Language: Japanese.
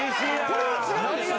これは違うんですよ。